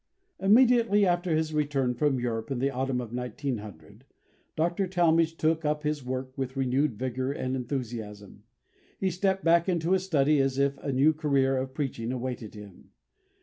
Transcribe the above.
Immediately after his return from Europe in the autumn of 1900, Dr. Talmage took up his work with renewed vigour and enthusiasm. He stepped back into his study as if a new career of preaching awaited him.